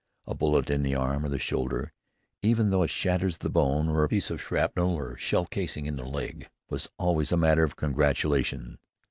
A bullet in the arm or the shoulder, even though it shatters the bone, or a piece of shrapnel or shell casing in the leg, was always a matter for congratulation.